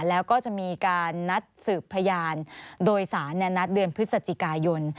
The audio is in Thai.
แล้วก็จะมีการนัดสืบพยานโดยสารนัดเดือนพฤศจิกายน